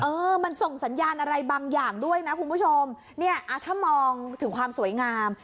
เออมันส่งสัญญาณอะไรบางอย่างด้วยนะคุณผู้ชมเนี่ยถ้ามองถึงความสวยงาม